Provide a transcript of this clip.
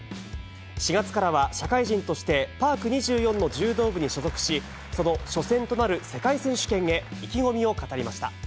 ４月からは社会人として、パーク２４の柔道部に所属し、その初戦となる世界選手権へ意気